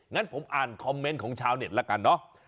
งั้นผมอ่านคอมเมนต์ของชาวเน็ตละกันเนอะ